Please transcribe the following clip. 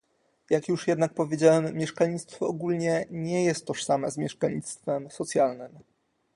Jak już jednak powiedziałem, mieszkalnictwo ogólnie nie jest tożsame z mieszkalnictwem socjalnym